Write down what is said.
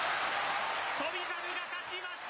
翔猿が勝ちました！